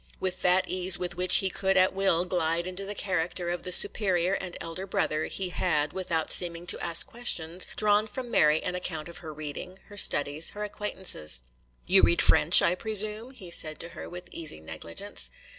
With that ease with which he could at will glide into the character of the superior and elder brother, he had, without seeming to ask questions, drawn from Mary an account of her reading, her studies, her acquaintances. 'You read French, I presume?' he said to her, with easy negligence.